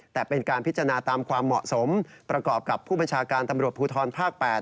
แต่เป็นการพิจารณาตามความเหมาะสมประกอบกับผู้บัญชาการตำรวจภูทรภาค๘